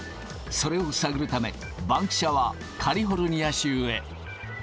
それを探るため、バンキシャはカリフォルニア州へ。